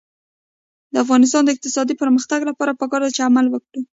د افغانستان د اقتصادي پرمختګ لپاره پکار ده چې عمل وکړو.